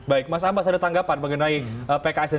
baik mas ambas ada tanggapan mengenai pks dan